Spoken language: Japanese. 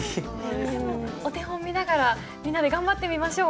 でもお手本見ながらみんなで頑張ってみましょう。